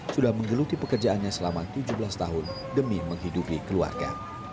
sudah menggeluti pekerjaannya selama tujuh belas tahun demi menghidupi keluarga